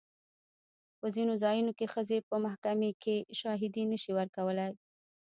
په ځینو ځایونو کې ښځې په محکمې کې شاهدي نه شي ورکولی.